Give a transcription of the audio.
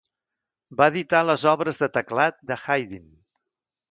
Va editar les obres de teclat de Haydn.